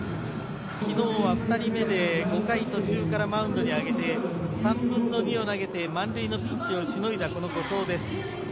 昨日は２人目で、５回途中からマウンドに上げて３分の２を投げて満塁のピンチをしのいだこの後藤です。